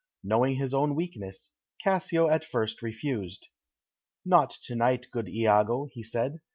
Knowing his own weakness, Cassio at first refused. "Not to night, good Iago," he said.